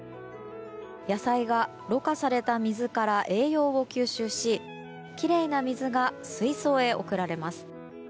野菜がろ過された水から栄養を吸収しきれいな水が水槽へ送られます。